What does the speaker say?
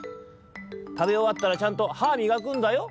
「たべおわったらちゃんとはみがくんだよ」。